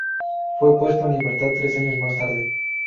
Fue puesto en libertad tres años más tarde.